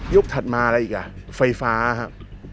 ถัดมาอะไรอีกอ่ะไฟฟ้าครับ